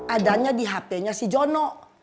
adanya di hp nya si jono